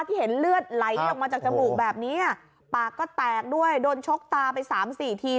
ที่เห็นเลือดไหลออกมาจากจมูกแบบนี้ปากก็แตกด้วยโดนชกตาไปสามสี่ที